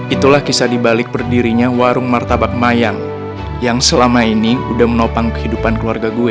itulah kisah dibalik berdirinya warung martabak mayang yang selama ini udah menopang kehidupan keluarga gue